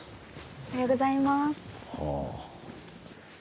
おはようございます。